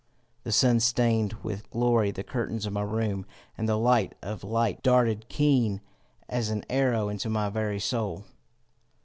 The sun stained with glory the curtains of my room, and the light of light darted keen as an arrow into my very soul.